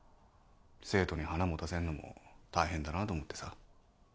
生徒に花持たせんのも大変だなと思ってさ